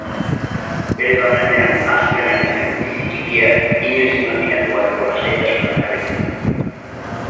Bere barrenean hazten ari zen bizi ttikiak inoiz imajinatu gabeko lasaitasuna ekarri zion.